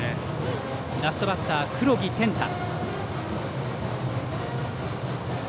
ラストバッター、黒木天太。